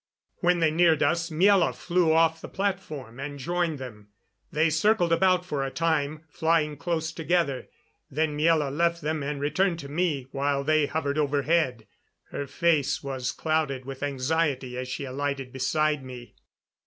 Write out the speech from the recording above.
When they neared us Miela flew off the platform and joined them. They circled about for a time, flying close together, then Miela left them and returned to me, while they hovered overhead. Her face was clouded with anxiety as she alighted beside me.